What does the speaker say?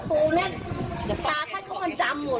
ทุกที่เราปากปูตาจะทุกคนจำหมด